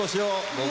どうぞ。